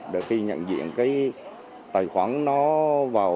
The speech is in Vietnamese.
để khi nhận diện tài khoản nó vào